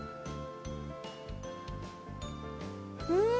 うん！